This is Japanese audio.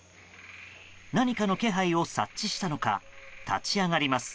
何かの気配を察知したのか立ち上がります。